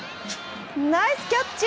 ナイスキャッチ！